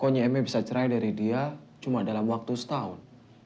ojm nya bisa cerai dari dia cuma dalam waktu setahun